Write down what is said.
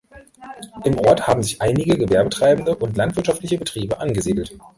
Im Ort haben sich einige Gewerbebetriebe und landwirtschaftliche Betriebe angesiedelt.